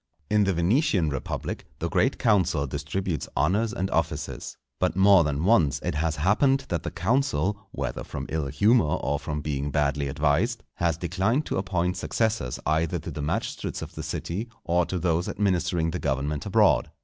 In the Venetian Republic, the great council distributes honours and offices. But more than once it has happened that the council, whether from ill humour or from being badly advised, has declined to appoint successors either to the magistrates of the city or to those administering the government abroad.